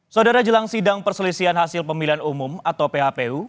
saudara jelang sidang perselisihan hasil pemilihan umum atau phpu